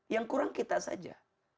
yang kurang kita saja